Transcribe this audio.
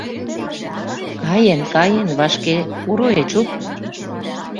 Каен, каен, вашке пуро, Эчук!